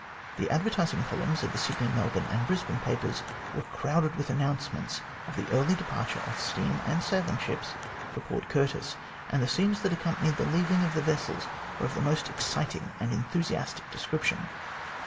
The advertising columns of the Sydney, Melbourne, .and Brisbane papers were crowded with announcements of the early departure of steam and sailing ships for Port Curtis, .and the scenes that accompanied the leaving of the vessels were of the most exciting and enthusiastic description.